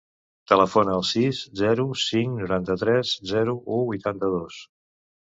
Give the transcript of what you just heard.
Telefona al sis, zero, cinc, noranta-tres, zero, u, vuitanta-dos.